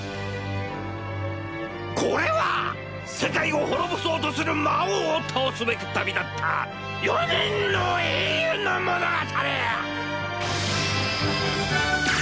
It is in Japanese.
これは世界を滅ぼそうとする魔王を倒すべく旅立った４人の英雄の物語！